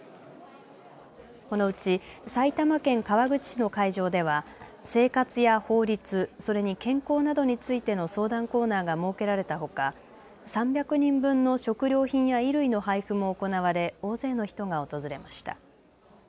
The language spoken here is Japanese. このうち埼玉県川口市の会場では生活や法律、それに健康などについての相談コーナーが設けられたほか３００人分の食料品や衣類の配布も行われ大勢の人が訪れました。